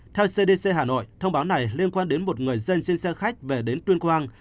theo cdc hà nội thông báo này liên quan đến một người dân xin khách về đến tuyên quang